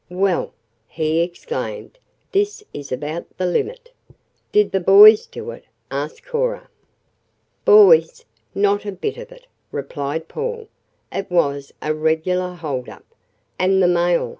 "Well," he exclaimed, "this is about the limit!" "Did the boys do it?" asked Cora. "Boys! Not a bit of it," replied Paul. "It was a regular hold up. And the mail!